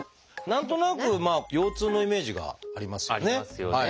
何となく腰痛のイメージがありますよね。